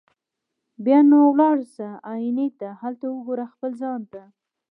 بیا نو ولاړ سه آیینې ته هلته وګوره خپل ځان ته